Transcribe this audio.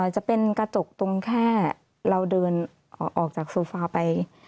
จะเป็นกระจกตรงแค่เราเดินออกจากโซฟาไป